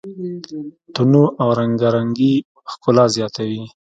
تنوع او رنګارنګي ښکلا زیاتوي.